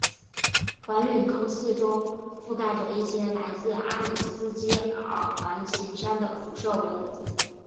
环陨坑四周覆盖着一些来自阿里斯基尔环形山的辐射纹。